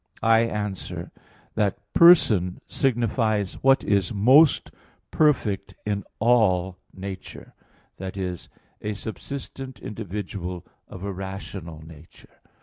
I answer that, "Person" signifies what is most perfect in all nature that is, a subsistent individual of a rational nature.